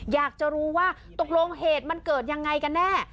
อยากจะรู้ว่าตกลงเหตุมันเกิดยังไงกันแน่